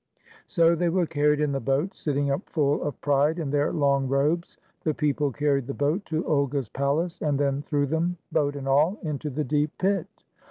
So they were carried in the boat, sitting up full of pride in their long robes. The people carried the boat to Olga's palace, and then threw them, boat and all, into the deep pit.